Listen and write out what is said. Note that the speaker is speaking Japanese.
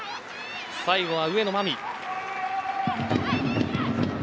最後は上野真実。